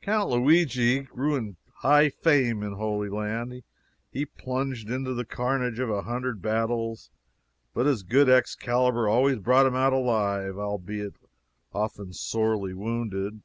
Count Luigi grew high in fame in Holy Land. He plunged into the carnage of a hundred battles, but his good Excalibur always brought him out alive, albeit often sorely wounded.